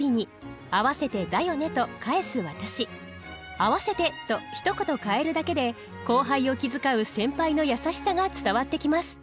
「合わせて」とひと言変えるだけで後輩を気遣う先輩の優しさが伝わってきます。